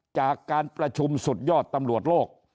จากการประชุมสุดยอดตำรวจโลก